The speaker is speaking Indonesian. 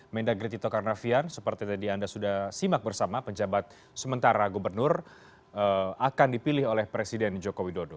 mendagri tito karnavian seperti tadi anda sudah simak bersama penjabat sementara gubernur akan dipilih oleh presiden joko widodo